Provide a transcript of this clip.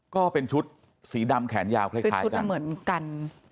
ก็เป็นชุดสีดำแขนยาวคล้ายกัน